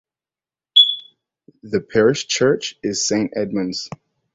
The parish church is Saint Edmund's.